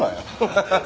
ハハハハ。